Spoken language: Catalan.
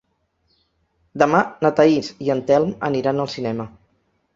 Demà na Thaís i en Telm aniran al cinema.